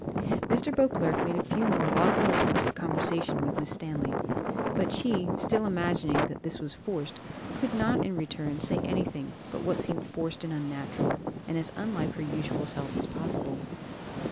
Mr. Beauclerc made a few more laudable attempts at conversation with Miss Stanley, but she, still imagining that this was forced, could not in return say anything but what seemed forced and unnatural, and as unlike her usual self as possible.